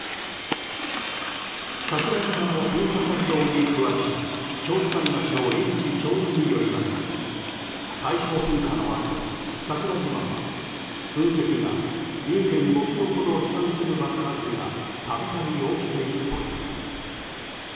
桜島の噴火活動に詳しい京都大学の井口教授によりますと大正噴火のあと桜島は、噴石が２．５ｋｍほど飛散する爆発がたびたび起きているといいます。